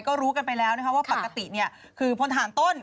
ก็รู้กันไปแล้วว่าปกตินี่คือพนธาตุต้น